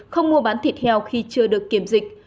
không mua bán thịt heo khi chưa được kiểm dịch